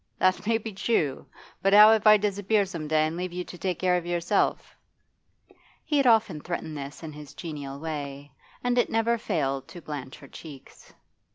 'That may be true. But how if I disappear some day and leave you to take care of yourself?' He had often threatened this in his genial way, and it never failed to blanch her cheeks.